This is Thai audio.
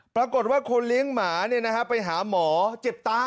ปรากฏว่าคนเลี้ยงหมาเนี่ยนะฮะไปหาหมอเจ็บตา